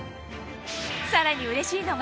さらにうれしいのが